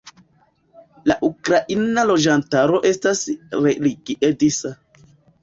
La ukraina loĝantaro estas religie disa.